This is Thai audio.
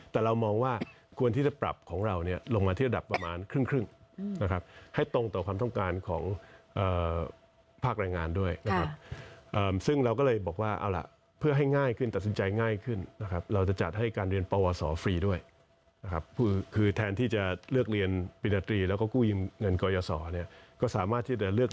แต่เรามองว่าควรที่จะปรับของเราเนี่ยลงมาที่ระดับประมาณครึ่งครึ่งนะครับให้ตรงต่อความต้องการของภาคแรงงานด้วยนะครับซึ่งเราก็เลยบอกว่าเอาล่ะเพื่อให้ง่ายขึ้นตัดสินใจง่ายขึ้นนะครับเราจะจัดให้การเรียนปวสอฟฟรีด้วยนะครับคือแทนที่จะเลือกเรียนปริญญาตรีแล้วก็กู้ยืมเงินกยศรเนี่ยก็สามารถที่จะเลือก